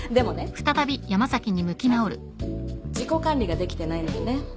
まず自己管理ができてないのよね。